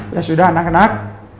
ya sudah anak anak